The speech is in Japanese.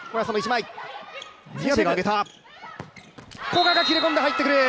古賀が切れ込んで入ってくる。